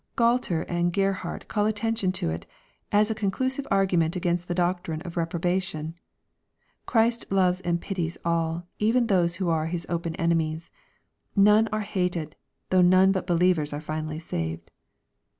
Gualtei 818 EXPOSITORY THOUGHTS, and Gerhard call attention to it, as a conclusive argument against the doctrine of reprobation, Christ loves and pities all, even those who are His open enemies. None are hated, though none but be lievers are finally saved.